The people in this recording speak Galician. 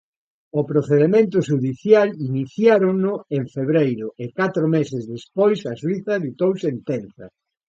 O procedemento xudicial iniciárono "en febreiro" e catro meses despois a xuíza ditou sentenza.